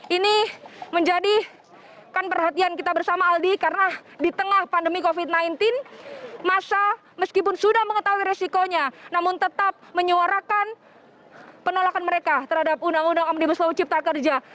ini menjadikan perhatian kita bersama aldi karena di tengah pandemi covid sembilan belas masa meskipun sudah mengetahui resikonya namun tetap menyuarakan penolakan mereka terhadap undang undang omnibus law cipta kerja